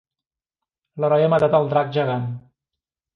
L'heroi ha matat al drac gegant.